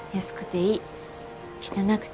汚くていい。